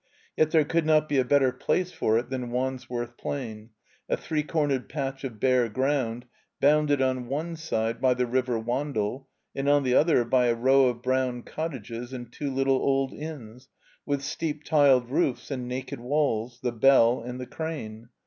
Yet there could not be a better place for it than Wandsworth Plain, a three cornered patch of bare ground, botmded on one side by the river Wandle, and on the other by a row of brown cottages and two little old inns, with steep tiled roofs and naked walls, ''The Bell" and ''The Crane."